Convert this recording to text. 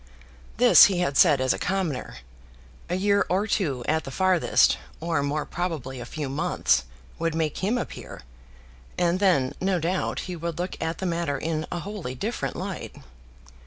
This he had said as a commoner. A year or two at the farthest, or more probably a few months, would make him a peer; and then, no doubt, he would look at the matter in a wholly different light.